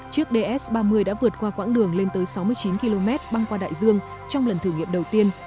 chiếc ds ba mươi đã vượt qua quãng đường lên tới sáu mươi chín km băng qua đại dương trong lần thử nghiệm đầu tiên